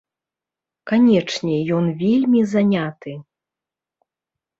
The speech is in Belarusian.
Канечне, ён вельмі заняты.